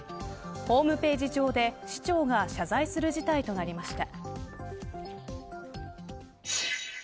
ホームページ上で市長が謝罪する事態となりました。